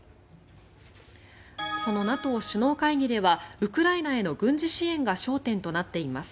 そのＮＡＴＯ首脳会議ではウクライナへの軍事支援が焦点となっています。